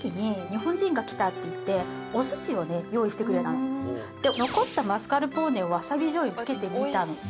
これ私ねで残ったマスカルポーネをわさびじょうゆにつけてみたの。